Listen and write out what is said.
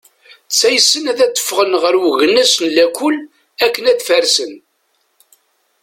Ttaysen ad d-ffɣen ɣer ugnes n lakul akken ad farsen.